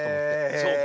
そうか。